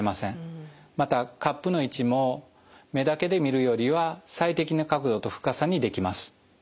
またカップの位置も目だけで見るよりは最適な角度と深さにできます。